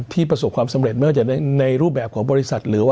ทีประสบความสำเร็จไม่ว่าจะในรูปแบบของบริษัท